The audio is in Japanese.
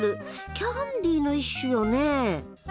キャンディーの一種よね？